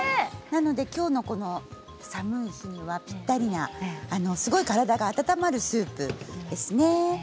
なので、きょうの寒い日にはぴったりなすごい体が温まるスープですね。